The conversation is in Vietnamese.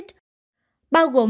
bao gồm vật chất di chuyển